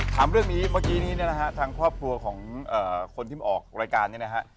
ถามเรื่องนี้เมื่อกี้นี้เนี่ยนะฮะทางครอบครัวของคนที่มาออกรายการเนี่ยนะฮะ